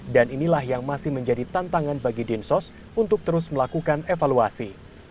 dan inilah yang masih menjadi tantangan bagi dinsos untuk terus melakukan evaluasi